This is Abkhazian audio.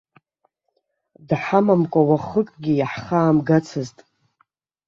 Дҳамамкәа уахыкгьы иаҳхаамгацызт.